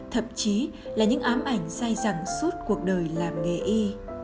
thậm chí là những ám ảnh say rằng suốt cuộc đời làm nghề y